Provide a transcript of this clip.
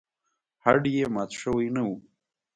هډ یې مات شوی نه و.